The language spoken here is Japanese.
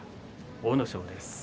阿武咲です。